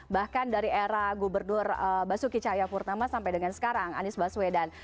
bahkan dari era gubernur basuki cahayapurnama sampai dengan sekarang anies baswedan